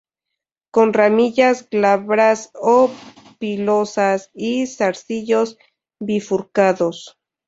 Con ramillas glabras o pilosas; y zarcillos bifurcados.